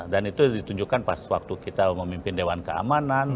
itu ditunjukkan pas waktu kita memimpin dewan keamanan